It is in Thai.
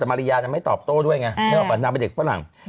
แต่มาริยานั้นไม่ตอบโต้ด้วยไงนางเป็นเด็กฝรั่ง